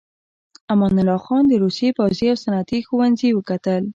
امان الله خان د روسيې پوځي او صنعتي ښوونځي وکتل.